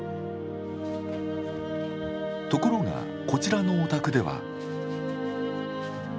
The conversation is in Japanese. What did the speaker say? ところがこちらのお宅では。